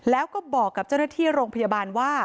แล้วก็บอกกับเจ้าหน้าที่โรงพยาบาลว่า